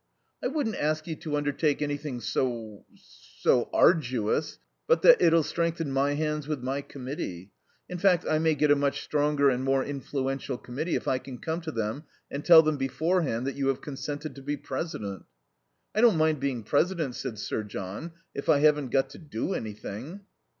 "I wouldn't ask you to undertake anything so so arduous, but that it'll strengthen my hands with my Committee; in fact, I may get a much stronger and more influential Committee if I can come to them, and tell them beforehand that you have consented to be president." "I don't mind being president," said Sir John, "if I haven't got to do anything."